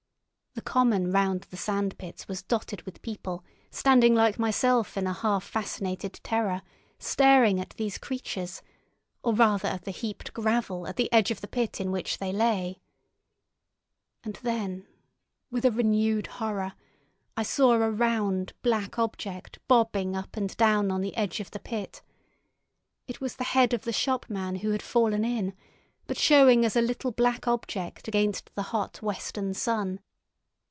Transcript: The common round the sand pits was dotted with people, standing like myself in a half fascinated terror, staring at these creatures, or rather at the heaped gravel at the edge of the pit in which they lay. And then, with a renewed horror, I saw a round, black object bobbing up and down on the edge of the pit. It was the head of the shopman who had fallen in, but showing as a little black object against the hot western sun.